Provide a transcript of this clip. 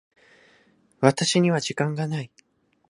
私には時間がない。